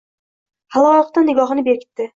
Xaloyiqdan nigohini bekitdi.